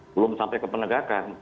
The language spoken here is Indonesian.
belum sampai ke penegakan